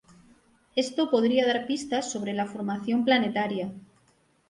Esto podría dar pistas sobre la formación planetaria.